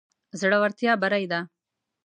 زړورتيا بري ده.